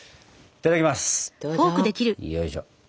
いただきます。